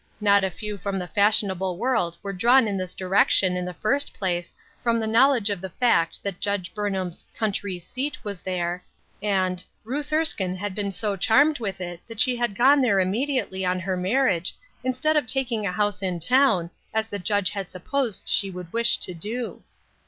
Not a few from the fashionable world were drawn in this direction in the first place from the knowledge of the fact that Judge Burnham's " country seat " was there, and " Ruth Erskine PLANTS THAT HAD BLOSSOMED. 21 had been so charmed with it that she had gone there immediately on her marriage, instead of taking a house in town, as the Judge had sup posed she would wish to do."